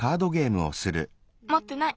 もってない。